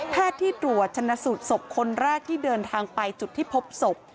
ที่ตรวจชนะสูตรศพคนแรกที่เดินทางไปจุดที่พบศพ